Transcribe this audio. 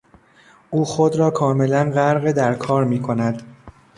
او خود را کاملا غرق در کار میکند.